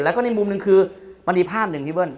แล้วก็ในมุมหนึ่งคือมันมีภาพหนึ่งพี่เบิ้ล